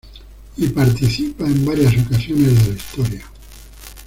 Y participa en varias ocasiones de la historia.